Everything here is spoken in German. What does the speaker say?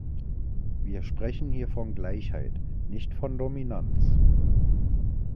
Wir sprechen hier von Gleichheit, nicht von Dominanz.